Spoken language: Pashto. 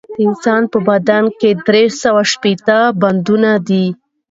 د انسان په بدن کښي درې سوه او شپېته بندونه دي